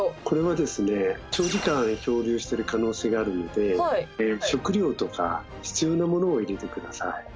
これはですね長時間漂流してる可能性があるので食料とか必要なものを入れて下さい。